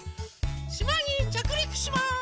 しまにちゃくりくします。